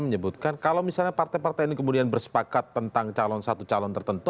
menyebutkan kalau misalnya partai partai ini kemudian bersepakat tentang calon satu calon tertentu